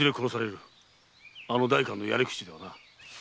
あの代官のやり口ならな。